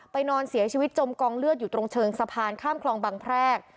นอนเสียชีวิตจมกองเลือดอยู่ตรงเชิงสะพานข้ามคลองบังแพรก